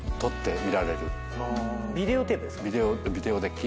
ビデオテープですか？